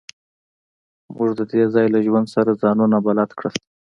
موږ د دې ځای له ژوند سره ځانونه بلد کړل